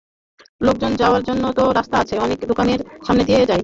লোকজন যাওয়ার জন্য তো রাস্তা আছে, অনেকে দোকানের সামনে দিয়াও যায়।